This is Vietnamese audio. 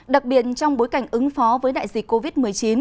đặc biệt trong bối cảnh ứng phó với đại dịch covid một mươi chín